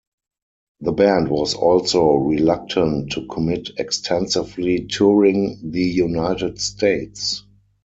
The band was also reluctant to commit extensively touring the United States.